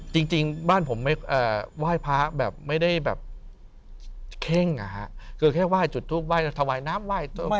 จริงบ้านผมไม่ไหว้พระแบบไม่ได้แบบเข้งคือแค่ไหว้จุดทูปไห้ถวายน้ำไหว้